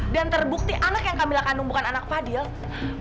dan terbukti anak yang kamila kandung bukan anak fadil itu bukan anak kamila yang terakhir